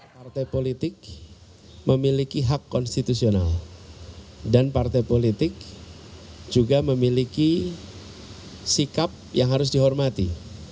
partai politik memiliki hak konstitusional dan partai politik juga memiliki sikap yang harus dihormati